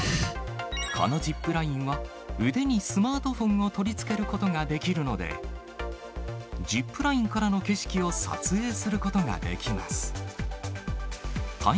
このジップラインは、腕にスマートフォンを取り付けることができるので、ジップラインからの景色を撮影することができます。